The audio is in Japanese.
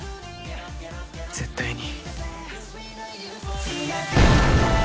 絶対に